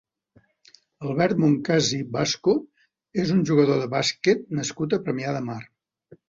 Albert Moncasi Vasco és un jugador de bàsquet nascut a Premià de Mar.